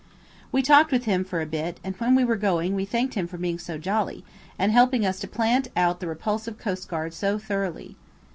We talked with him for a bit, and when we were going we thanked him for being so jolly, and helping us to plant out the repulsive coastguard so thoroughly.